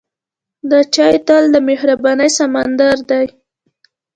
د چای تل د مهربانۍ سمندر دی.